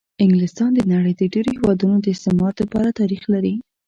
انګلستان د د نړۍ د ډېرو هېوادونو د استعمار دپاره تاریخ لري.